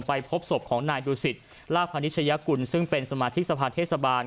พบศพของนายดูสิตลากพนิชยกุลซึ่งเป็นสมาธิกสภาเทศบาล